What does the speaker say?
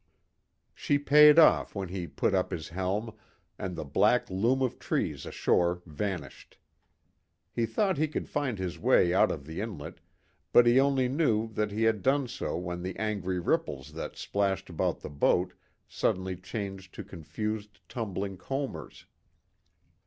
She paid off when he put up his helm, and the black loom of trees ashore vanished. He thought he could find his way out of the inlet, but he only knew that he had done so when the angry ripples that splashed about the boat suddenly changed to confused tumbling combers.